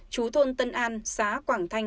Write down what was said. chú thôn tân an xá quảng thanh